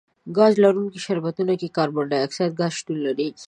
ګاز لرونکي شربتونو کې کاربن ډای اکسایډ ګاز شتون لري.